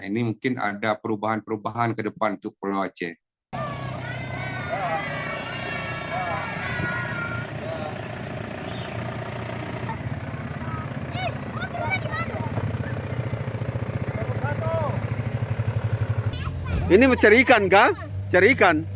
ini mungkin ada perubahan perubahan kedepan untuk pulau aceh ini mencari ikan ga cari ikan